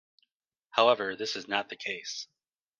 However, this is not the case.